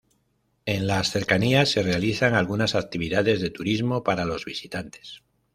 En las cercanías se realizan algunas actividades de turismo para los visitantes.